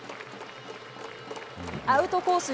アウトコース